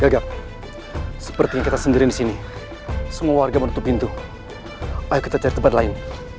gagap seperti kita sendiri di sini semua warga menutup pintu ayo kita cari tempat lain